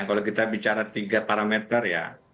kalau kita bicara tiga parameter ya